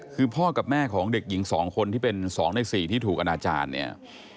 คือพ่อกับแม่ของเด็กหญิง๒คนที่เป็น๒ใน๔ที่ถูกอนาจารย์เนี่ย